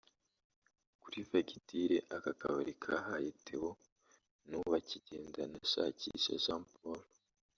Kuri Fagitire aka kabari kahaye Theo n’ubu akigendana ashakisha Jean Paul